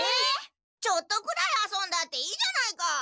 ちょっとくらいあそんだっていいじゃないか！